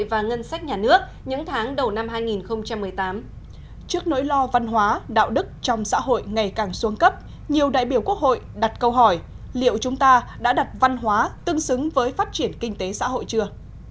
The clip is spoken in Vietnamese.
liệu chúng ta đã đặt văn hóa tương xứng với phát triển kinh tế xã hội chưa